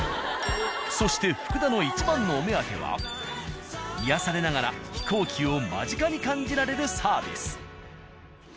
そして福田のいちばんのお目当ては癒やされながら飛行機を間近に感じられるサービス。